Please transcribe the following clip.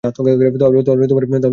তাহলে এই আঞ্জলির কী হবে?